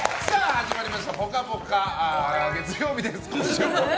始まりました「ぽかぽか」月曜日です。